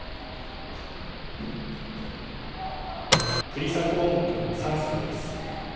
クリサコーン君３歳です。